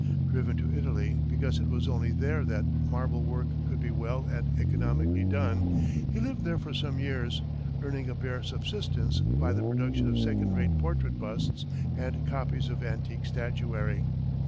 Driven to Italy because it was only there that marble work could be well and economically done, he lived there for some years, earning a bare subsistence by the production of second rate portrait busts and copies of antique statuary.